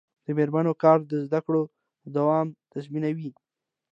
د میرمنو کار د زدکړو دوام تضمینوي.